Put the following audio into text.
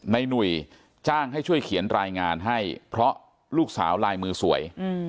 หนุ่ยจ้างให้ช่วยเขียนรายงานให้เพราะลูกสาวลายมือสวย